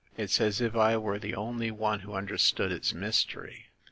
It's as if I were the only one who understood its mystery.